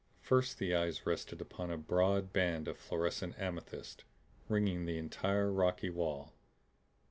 First the eyes rested upon a broad band of fluorescent amethyst, ringing the entire rocky wall.